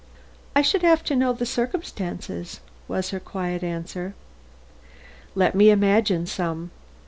"I should have to know the circumstances," was her quiet answer. "Let me imagine some.